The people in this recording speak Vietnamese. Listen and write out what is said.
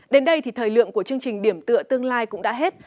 đến đây thì thời lượng của chương trình điểm tựa tương lai cũng đã hết